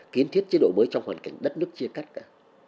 kiến thiết chế độ mới trong hoàn cảnh đất nước chia cắt cả